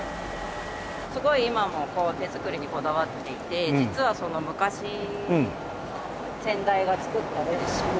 すごい今も手作りにこだわっていて実は昔先代が作ったレシピ。